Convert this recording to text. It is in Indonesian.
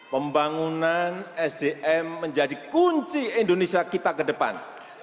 pembangunan sdm menjadi kunci indonesia kita ke depan